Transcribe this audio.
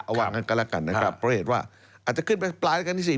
เอาว่างั้นก็ละกันนะครับอาจจะขึ้นไปปลายรัชกาลที่๔